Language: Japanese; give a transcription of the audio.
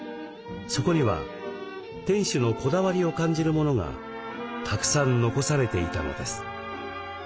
そこには店主のこだわりを感じるものがたくさん残されていたのです。